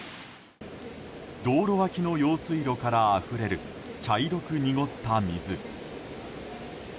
道路脇の用水路からあふれる茶色く濁った水。